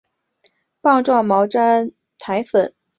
棒状毛毡苔粉的化石花粉发现于台湾的中新世构成物。